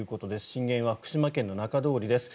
震源は福島県の中通りです。